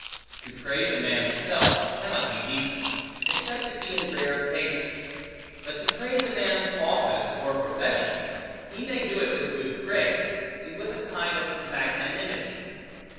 To praise a man's self, cannot be decent, except it be in rare cases; but to praise a man's office or profession, he may do it with good grace, and with a kind of magnanimity.